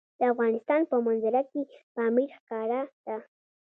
د افغانستان په منظره کې پامیر ښکاره ده.